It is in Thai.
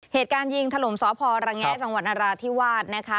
เหตุการณ์ยิงถล่มซ้อพอรังแง่จังหวัดนราธิวาส